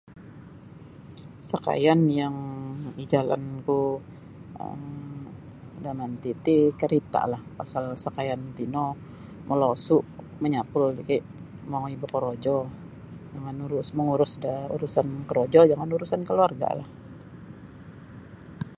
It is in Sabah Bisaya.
Sakaian yang mijalanku um jaman titi ialah kerita lah, pasal sakaian tino moluso menyapul mongoi bekorojo mengurus da urusan korojo dangan urusan keluarga lah.